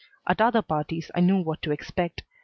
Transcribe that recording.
At other parties I knew what to expect.